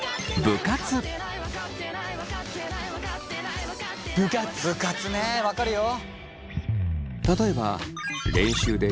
部活ね分かるよ。